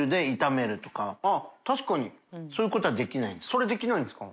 それできないんですか？